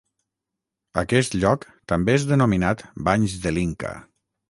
Aquest lloc també és denominat Banys de l'Inca.